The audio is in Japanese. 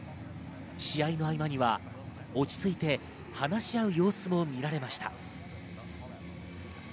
試合の合間には落ち着いて話し合う様子も見られました。